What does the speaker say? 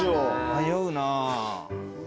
迷うな。